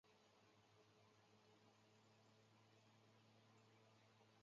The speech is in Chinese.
加雅涅的家。